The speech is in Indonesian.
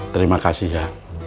terima kasih ya